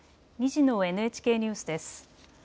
２時のＮＨＫニュースです。